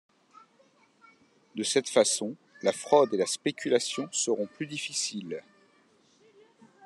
De cette façon, la fraude et la spéculation seront plus difficiles.